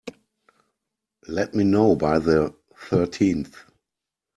Let me know by the thirteenth.